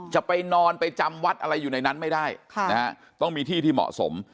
จะไปนอนไปจำวัดอะไรอยู่ในนั้นไม่ได้ต้องมีที่ที่เหมาะสม